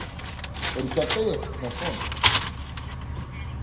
Ркьатеиах ԥнаҵәон.